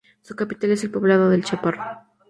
Su capital es el poblado de El Chaparro.